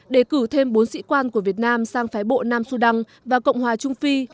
để cử thêm bốn sĩ quan của việt nam sang phái bộ nam sudan và cộng hòa trung phi